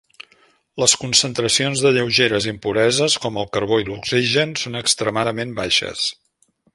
Les concentracions de lleugeres impureses, com el carbó i l'oxigen, són extremadament baixes.